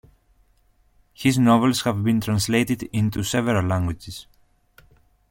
His novels have been translated into several languages.